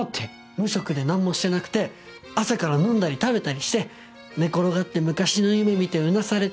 無職で何もしてなくて朝から飲んだり食べたりして寝転がって昔の夢見てうなされて。